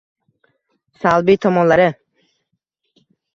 Salbiy tomonlari